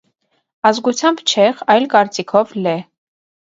Ազգությամբ չեխ (այլ կարծիքով՝ լեհ)։